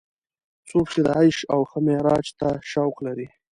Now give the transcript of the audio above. څوک چې د عیش او ښه معراج ته شوق لري.